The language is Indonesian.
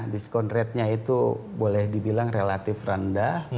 diskon ratenya itu boleh dibilang relatif rendah